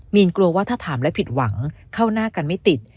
มีนกลัวว่าถ้าถามและผิดหวังเข้าหน้ากันไม่ติด